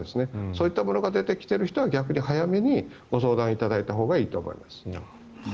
そういったものが出てきている人は、逆に早めにご相談いただいたほうがいいと思います。